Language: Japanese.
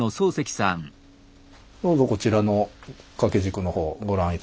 どうぞこちらの掛け軸の方をご覧頂いて。